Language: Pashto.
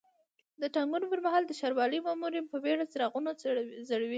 د ټاکنو پر مهال د ښاروالۍ مامورین په بیړه څراغونه ځړوي.